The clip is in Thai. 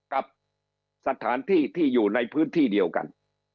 กับสถานที่ที่อยู่ในพื้นที่เดียวกัน